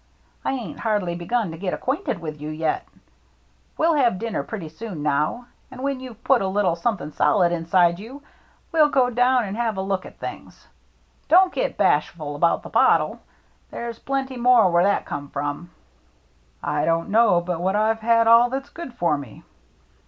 I ain't hardly begun to get acquainted with you yet. We'll have dinner pretty soon now, and when you've put a little something solid inside you, we'll go down and have a look at things. Don't get bashful about the bottle. There's plenty more where that come from." " I don't know but what I've had all that's good for me."